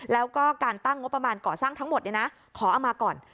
แล้วก็การตั้งงบประมาณก่อสร้างทั้งหมดขอเอามาก่อน